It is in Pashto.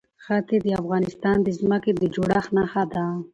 ښتې د افغانستان د ځمکې د جوړښت نښه ده.